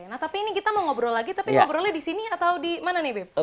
nah tapi ini kita mau ngobrol lagi tapi ngobrolnya di sini atau di mana nih bip